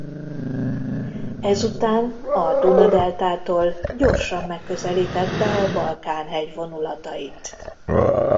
Ezután a Duna-deltától gyorsan megközelítette a Balkán hegyvonulatait.